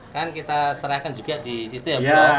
kan kita serahkan juga di situ ya